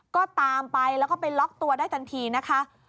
ก็ตามไปแล้วก็ไปล็อกตัวได้ทันทีนะคะ